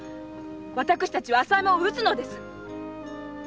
私たちは朝右衛門を討つのです！